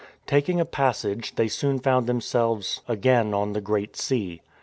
Taking a passage, they soon found themselves again on the Great Sea.